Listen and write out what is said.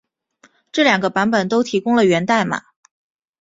这两个版本都提供了源代码。